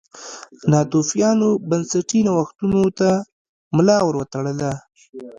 ناتوفیانو بنسټي نوښتونو ملا ور وتړله.